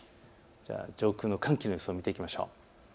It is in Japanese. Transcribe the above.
上空の寒気の予想を見ていきましょう。